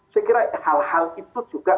saya kira hal hal itu juga